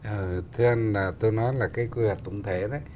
ừ theo anh tôi nói là cái quy hoạch tổng thể đó